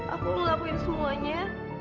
aku ngelakuin semuanya